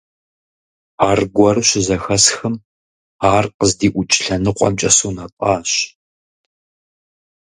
Аргуэру щызэхэсхым, ар къыздиӀукӀ лъэныкъуэмкӀэ сунэтӀащ.